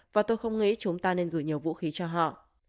và tôi không nghĩ chúng ta nên gửi nhiều vũ khí cho họ